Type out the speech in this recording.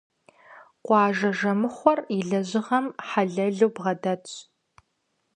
Къуажэ жэмыхъуэр и лэжьыгъэм хьэлэлу бгъэдэтт.